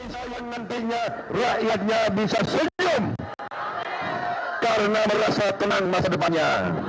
sayang nantinya rakyatnya bisa senyum karena merasa tenang masa depannya